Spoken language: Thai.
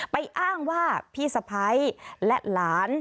อ้างว่าพี่สะพ้ายและหลาน